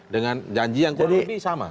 dengan janji yang kurang lebih sama